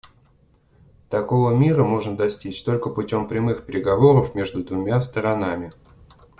Такого мира можно достичь только путем прямых переговоров между двумя сторонами.